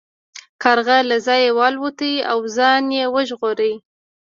کارغه له ځایه والوت او ځان یې وژغوره.